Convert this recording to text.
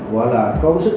hoặc là có sức